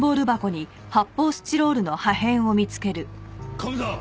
カメさん！